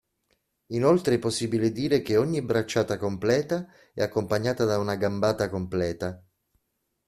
Inoltre è possibile dire che ogni bracciata completa è accompagnata da una gambata completa.